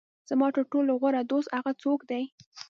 زما تر ټولو غوره دوست هغه څوک دی.